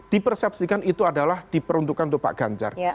di persepsikan itu adalah diperuntukkan untuk pak erik